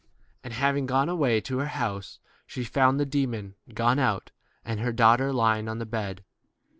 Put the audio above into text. And having gone away to her house she found the demon gone out and her daughter lying on the bed.